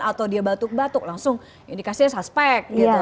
atau dia batuk batuk langsung dikasihnya suspek